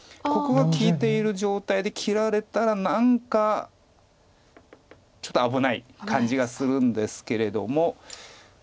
ここが利いている状態で切られたら何かちょっと危ない感じがするんですけれども。